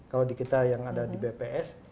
kalau di kita yang ada di bps